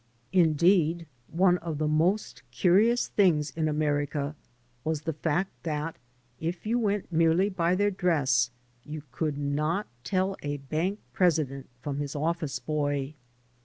Indeed, one of the most curious things \ in America was the fact that, if you went merely by their ■ dress, you could not teU a bank president from his office boy.